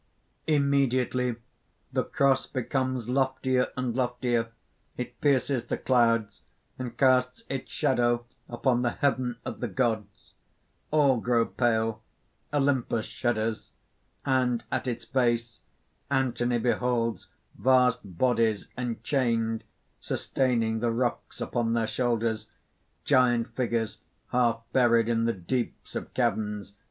(_Immediately the cross becomes loftier and loftier; it pierces the clouds, and casts its shadow upon the heaven of the gods._ All grow pale; Olympus shudders. _And at its base Anthony beholds vast bodies enchained, sustaining the rocks upon their shoulders, giant figures half buried in the deeps of caverns.